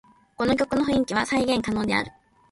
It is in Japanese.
この曲の雰囲気は再現可能である